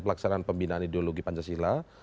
pelaksanaan pembinaan ideologi pancasila